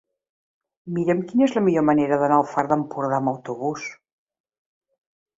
Mira'm quina és la millor manera d'anar al Far d'Empordà amb autobús.